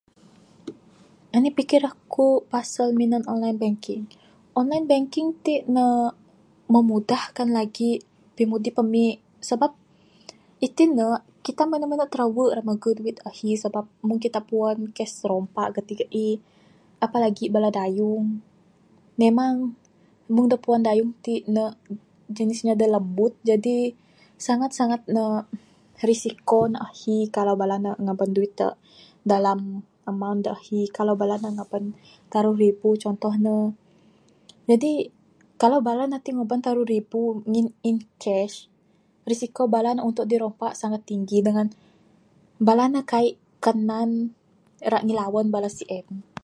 Anih pikir aku pasal minan online banking ti, online banking ti ne memudahkan lagi pimudip ami. Sebab Itin ne kita mene-mene tirawu rak maguh duit ahi sebab mungkin puan kes rompak ati aih, apalagi bala dayung memang mung da puan dayung ti ne jenis nya da lembut jadi sangat-sangat ne risiko ne ahi kalau bala ne ngaban duit ne dalam amount da ahi kalau bala ne ngaban taruh ribu contoh ne. Jadi kalau bala ne ti ngaban taruh ribu ngin incase risiko bala ne untuk dirompak sangat tinggi dengan Bala ne kaii kanan ira ngilawan bala sien.